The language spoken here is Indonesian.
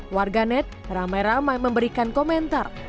warganet ramai ramai memberikan komentar